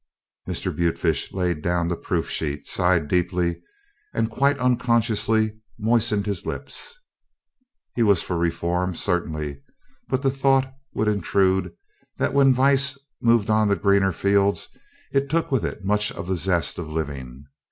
Mr. Butefish laid down the proof sheet, sighed deeply, and quite unconsciously moistened his lips. He was for Reform, certainly, but the thought would intrude that when Vice moved on to greener fields it took with it much of the zest of living.